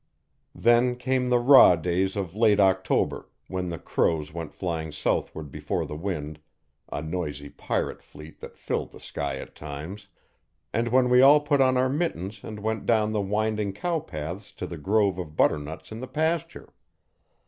Then cane the raw days of late October, when the crows went flying southward before the wind a noisy pirate fleet that filled the sky at times and when we all put on our mittens and went down the winding cow paths to the grove of butternuts in the pasture.